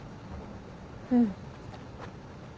うん。